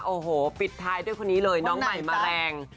โอ้โหปิดท้ายด้วยคนนี้เลยน้องใหม่แมลง